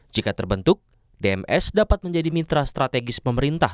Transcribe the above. jika terbentuk dms dapat menjadi mitra strategis pemerintah